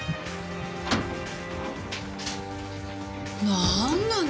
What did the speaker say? なーんなの？